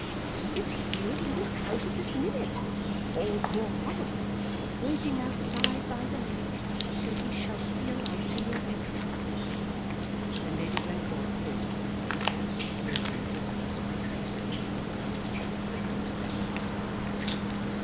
He is here in this house at this minute; or, more probably, waiting outside by the lake till he shall see a light in your bedroom." Then Lady Glencora paused for a moment, waiting that Alice might say something. But Alice said nothing.